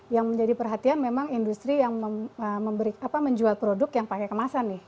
yang menjadi perhatian memang industri yang menjual produk yang pakai kemasan nih